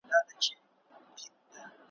مګر ولي، پښتانه لوستونکي `